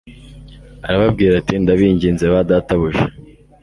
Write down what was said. arababwira ati “ndabinginze ba databuja